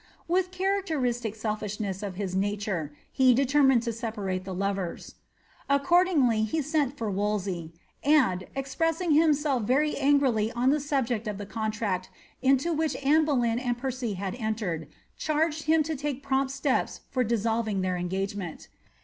With the characteristic selfishness of his nature, he determined to separate the lovers. Accordingly he sent for Wolsey, aiKl, expressing himself very angrily on the subject of the contract into which Anne Boleyn and Percy had entered, charged him to take prompt steps for dissolving their engagement.'